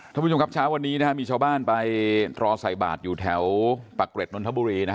ท่านผู้ชมครับเช้าวันนี้มีชาวบ้านไปรอใส่บาทอยู่แถวปากเกร็ดนนทบุรี